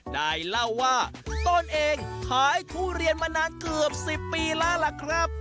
ได้เล่าว่าตนเองขายทุเรียนมานานเกือบ๑๐ปีแล้วล่ะครับ